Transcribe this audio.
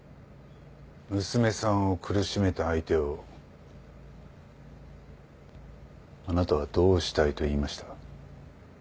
娘さんを苦しめた相手をあなたはどうしたいと言いました？